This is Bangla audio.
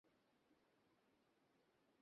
সিক্স, গুলির আওয়াজ পেলাম না কেন?